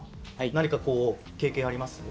何かこう経験あります？